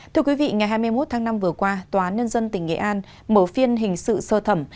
thưa quý vị ngày hai mươi một tháng năm vừa qua tòa án nhân dân tỉnh nghệ an mở phiên hình sự sơ thẩm